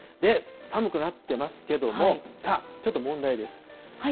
寒くなってますけども、さあ、ちょっと問題です。